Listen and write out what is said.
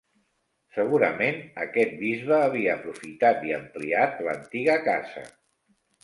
Segurament aquest bisbe havia aprofitat i ampliat l'antiga casa.